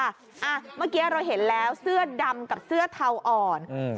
เมื่อกี้เราเห็นแล้วเสื้อดำกับเสื้อเทาอ่อนอืม